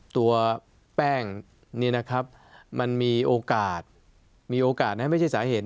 ตัวแป้งนี่นะครับมันมีโอกาสมีโอกาสนะไม่ใช่สาเหตุ